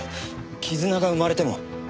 絆が生まれても。